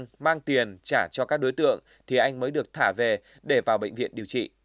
nhưng mang tiền trả cho các đối tượng thì anh mới được thả về để vào bệnh viện điều trị